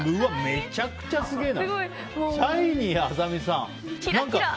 めちゃくちゃすげえな。